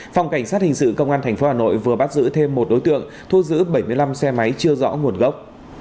phòng cảnh sát hình sự công an tp hà nội vừa bắt giữ thêm một đối tượng thu giữ bảy mươi năm xe máy chưa rõ nguồn gốc